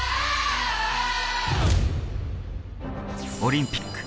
オリンピック。